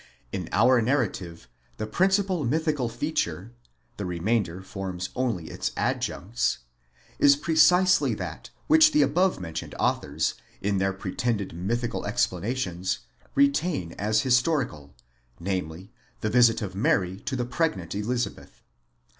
In our narrative the principal mythical feature (the remainder forms only its adjuncts) is precisely that which the above mentioned authors, in their pretended mythical explanations, retain as historical: namely, the visit of Mary to the pregnant Elizabeth.